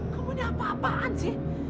kamu ini apa apaan sih